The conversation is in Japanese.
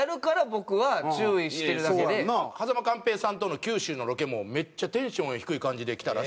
間寛平さんとの九州のロケもめっちゃテンション低い感じで来たらしいで。